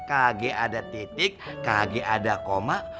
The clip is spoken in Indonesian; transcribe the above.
khg ada titik khg ada koma